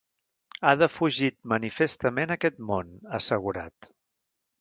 He defugit manifestament aquest món, ha assegurat.